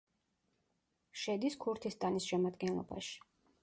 შედის ქურთისტანის შემადგენლობაში.